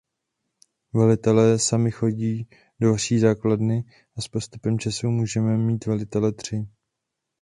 Velitelé sami chodí do vaši základny a s postupem času můžete mít velitele tři.